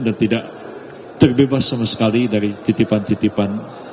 dan tidak terbebas sama sekali dari titipan titipan